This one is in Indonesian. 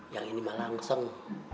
yang ini mah langseng